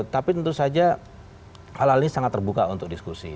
tapi tentu saja hal hal ini sangat terbuka untuk diskusi